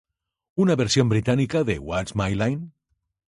Una versión británica de "What's My Line?